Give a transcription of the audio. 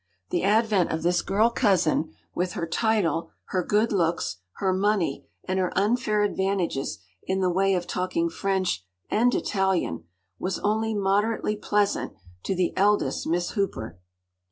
The advent of this girl cousin, with her title, her good looks, her money, and her unfair advantages in the way of talking French and Italian, was only moderately pleasant to the eldest Miss Hooper.